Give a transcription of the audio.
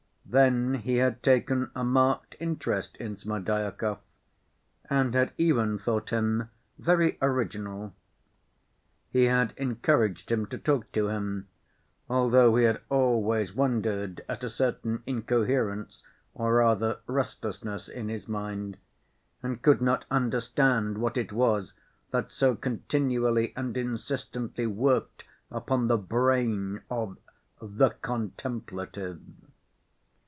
Then he had taken a marked interest in Smerdyakov, and had even thought him very original. He had encouraged him to talk to him, although he had always wondered at a certain incoherence, or rather restlessness, in his mind, and could not understand what it was that so continually and insistently worked upon the brain of "the contemplative."